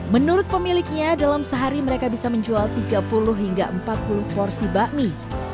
menurut pemiliknya dalam sehari mereka bisa menjual tiga puluh hingga empat puluh porsi bakmi